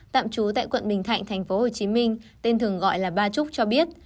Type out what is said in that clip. tạm trú tại quận bình thạnh tp hcm tên thường gọi là ba trúc cho biết